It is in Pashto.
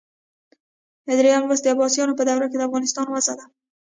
دریم لوست د عباسیانو په دوره کې د افغانستان وضع ده.